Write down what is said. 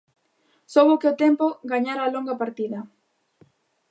Soubo que o tempo gañara a longa partida.